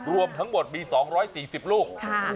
รวมทั้งหมดมี๒๔๐ลูก